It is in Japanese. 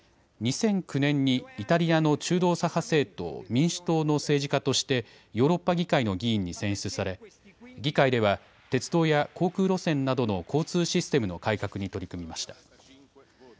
２００９年にイタリアの中道左派政党、民主党の政治家として、ヨーロッパ議会の議員に選出され、議会では、鉄道や航空路線などの交通システムの改革に取り組みました。